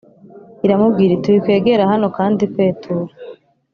Iramubwira iti Wikwegera hano kandi kwetura